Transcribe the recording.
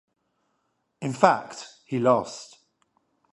In fact, he lost.